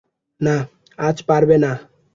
না, আজ পারবে না।